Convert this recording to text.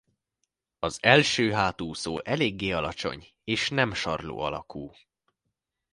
Az első hátúszó eléggé alacsony és nem sarló alakú.